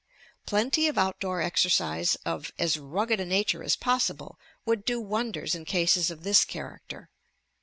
Plenty of outdoor exercise of as rugged a nature aa possible would do wonders in cases of this character.